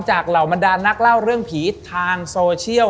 เหล่าบรรดานนักเล่าเรื่องผีทางโซเชียล